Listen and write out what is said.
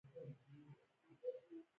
ماډرن اقتصاد په کوچنیو شرکتونو باندې تکیه کوي